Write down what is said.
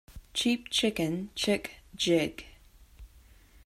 Cheap chicken chick jig.